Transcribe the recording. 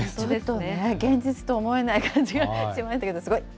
現実とは思えない感じがしましたけれども、すごい。